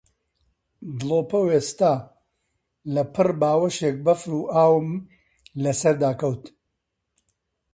دڵۆپە وێستا، لەپڕ باوەشێک بەفر و ئاوم لە سەردا کەوت